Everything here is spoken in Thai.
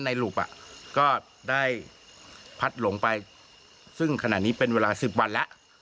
หลุปก็ได้พัดหลงไปซึ่งขณะนี้เป็นเวลา๑๐วันแล้ว